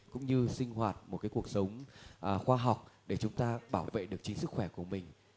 cũng như sinh hoạt một cuộc sống khoa học để chúng ta bảo vệ được chính sức khỏe của mình